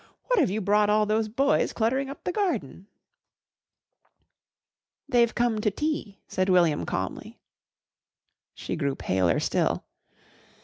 "What've you brought all those boys cluttering up the garden?" "They've come to tea," said William calmly. She grew paler still.